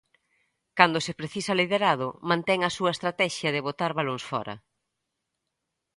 Cando se precisa liderado, mantén a súa estratexia de botar balóns fóra.